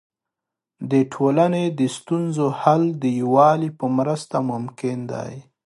د ټولنې د ستونزو حل د یووالي په مرسته ممکن دی.